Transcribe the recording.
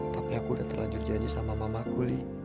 tapi aku udah terlanjur janji sama mamahku li